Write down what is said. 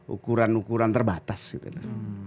ukuran ukuran terbatas gitu